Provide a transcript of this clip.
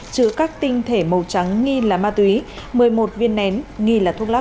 chứa các tinh thể màu trắng nghi là ma túy một mươi một viên nén nghi là thuốc lắc